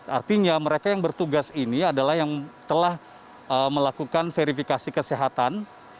artinya mereka yang bertugas ini adalah yang telah melakukan verifikasi kesehatan